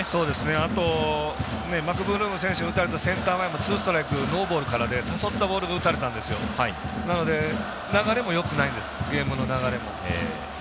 あと、マクブルーム選手に打たれたセンター前もツーストライクノーボールからで誘ったボールを打たれてゲームの流れもよくないんです。